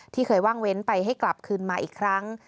เคยว่างเว้นไปให้กลับคืนมาอีกครั้ง